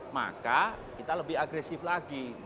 maka kita lebih agresif lagi